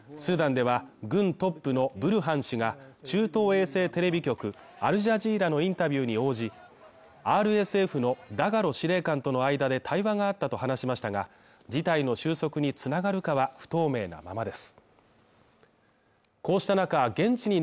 スーダンでは、軍トップのブルハン氏が中東衛星テレビ局アルジャジーラのインタビューに応じ、ＲＳＦのダガロ司令官との間で対話があったと話しましたが、事態の収束に繋がるかは不透明なままです。